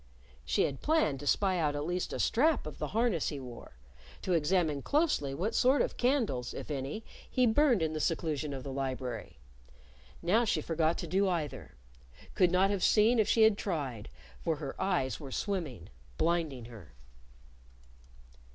She had planned to spy out at least a strap of the harness he wore; to examine closely what sort of candles, if any, he burned in the seclusion of the library. Now she forgot to do either; could not have seen if she had tried. For her eyes were swimming, blinding her.